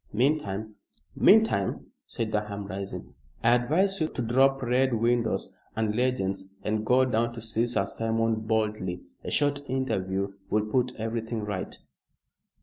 Meantime " "Meantime," said Durham, rising, "I advise you to drop red windows and legends and go down to see Sir Simon boldly. A short interview will put everything right."